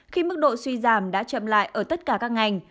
khi mức độ suy giảm đã chậm lại ở tất cả các ngành